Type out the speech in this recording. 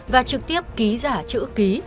và trực tiếp ký giả chữ ký